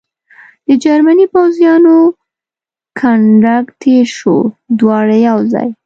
د جرمني پوځیانو کنډک تېر شو، دواړه یو ځای.